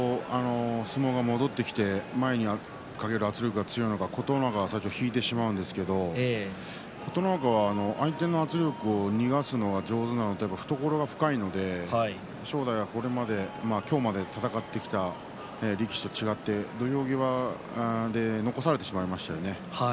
相撲が戻ってきて前にかける圧力が強いのか琴ノ若が最初引いてしまうんですけど琴ノ若は相手の圧力を逃がすのが上手なので懐が深いので正代はこれまで今日まで戦ってきた力士と違って土俵際で残されてしまいましたよね。